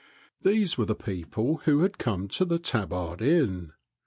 These were the people who had come to the Tabard Inn.